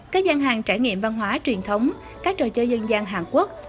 các gian hàng trải nghiệm văn hóa truyền thống các trò chơi dân gian hàn quốc